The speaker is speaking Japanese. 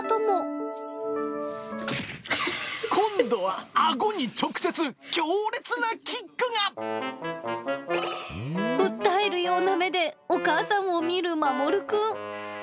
今度はあごに直接、強烈なキ訴えるような目で、お母さんを見るマモルくん。